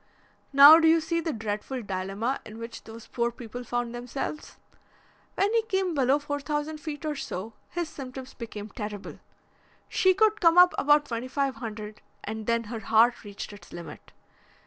Now, do you see the dreadful dilemma in which those poor people found themselves? When he came below four thousand feet or so, his symptoms became terrible. She could come up about twenty five hundred and then her heart reached its limit.